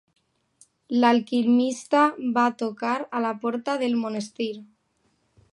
L'alquimista va tocar a la porta del monestir.